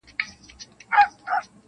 له نیکونو راته پاته بې حسابه زر لرمه-